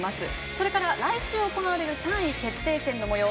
それから、来週行われる３位決定戦のもよう。